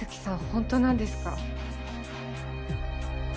本当なんですか？